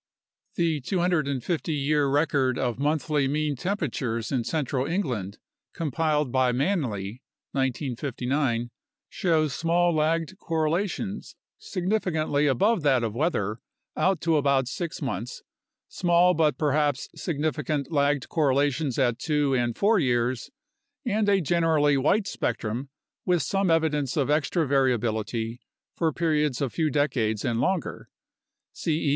The 250 year record of monthly mean temperatures in central England compiled by Manley (1959) shows small lagged correlations significantly above that of weather out to about 6 months, small but perhaps significant lagged correlations at 2 and 4 years, and a generally white spectrum with some evidence of extra variability for periods of a few decades and longer (C. E.